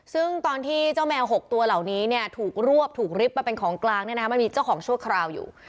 ซึ่งตอนที่เจ้าแมว๖ตัวเหล่านี้เนี่ยถูกรวบถูกริบมาเป็นของกลางเนี่ยนะมันมีเจ้าของชั่วคราวอยู่